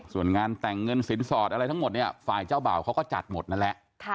ส่วนงานแต่งเงินสินสอดอะไรทั้งหมดเนี่ยฝ่ายเจ้าบ่าวเขาก็จัดหมดนั่นแหละ